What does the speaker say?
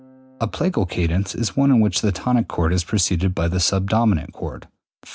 A plagal cadence is one in which the tonic chord is preceded by the sub dominant chord (IV I).